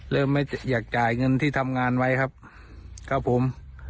ไม่อยากจ่ายเงินที่ทำงานไว้ครับครับผม